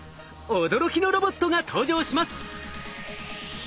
驚きのロボットが登場します。